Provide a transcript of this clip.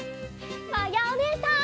まやおねえさん！